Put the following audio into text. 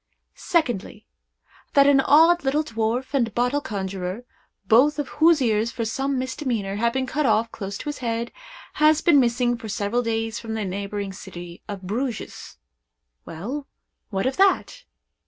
Secondly. That an odd little dwarf and bottle conjurer, both of whose ears, for some misdemeanor, have been cut off close to his head, has been missing for several days from the neighboring city of Bruges. Well—what of that?